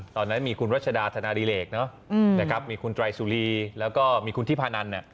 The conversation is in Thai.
ตอนนั้นมีคุณรัชดาธนาดีเหลกมีคุณไตรสุรีมีคุณฮิพานัน